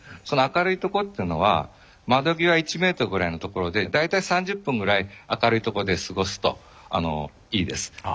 その明るい所っていうのは窓際１メートルぐらいの所で大体３０分ぐらい明るい所で過ごすといいです。